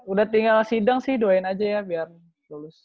udah tinggal sidang sih doain aja ya biar lulus